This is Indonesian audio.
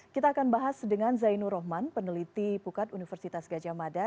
kita akan bahas dengan zainur rohman peneliti pukat universitas gajah mada